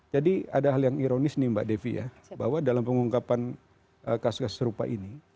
jadi ada hal yang ironis nih mbak devi ya bahwa dalam pengungkapan kasus kasus serupa ini